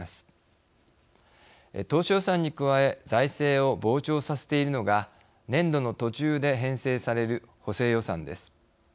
当初予算に加え財政を膨張させているのが年度の途中で編成される補正予算です。